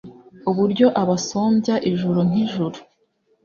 Uburyo abasumbya ijuru nk' ijuru